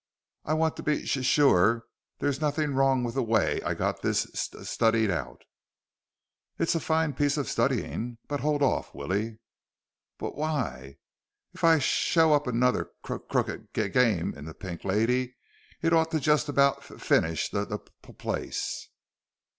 "I want to be s sure there's nothing wrong with the way I got this s studied out." "It's a fine piece of studying. But hold off, Willie." "Wh why? If I show up another c crooked g game in the Pink Lady, it ought to just about f finish the p place."